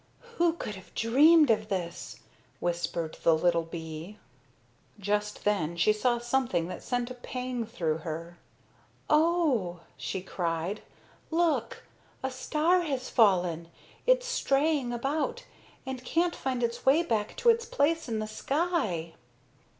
"Who could have dreamed of this!" whispered the little bee. Just then she saw something that sent a pang through her. "Oh," she cried, "look! A star has fallen! It's straying about and can't find its way back to its place in the sky."